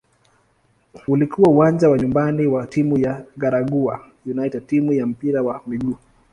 Ulikuwa uwanja wa nyumbani wa timu ya "Garankuwa United" timu ya mpira wa miguu.